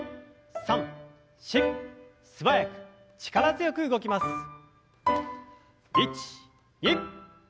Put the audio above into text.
素早く力強く動きます。